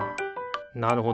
なるほど。